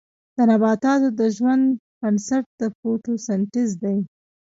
د نباتاتو د ژوند بنسټ د فوتوسنتیز دی